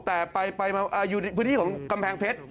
แต่ไปมาอยู่ในพื้นที่ของกำแพงเพชร